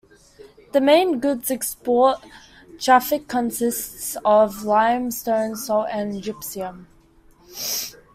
The main goods export traffic consists of lime stone, salt and gypsum.